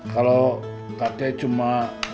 kalau kake cuma